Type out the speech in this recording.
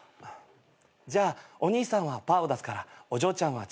じゃあお兄さんはパーを出すからお嬢ちゃんはチョキを出して。